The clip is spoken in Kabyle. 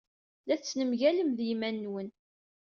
La tettnemgalem ed yiman-nwen.